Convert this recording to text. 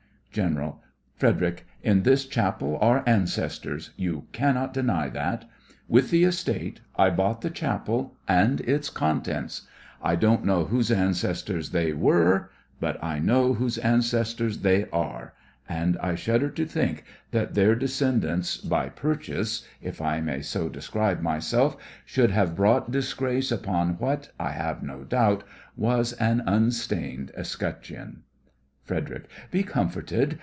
GENERAL: Frederic, in this chapel are ancestors: you cannot deny that. With the estate, I bought the chapel and its contents. I don't know whose ancestors they were, but I know whose ancestors they are, and I shudder to think that their descendant by purchase (if I may so describe myself) should have brought disgrace upon what, I have no doubt, was an unstained escutcheon. FREDERIC: Be comforted.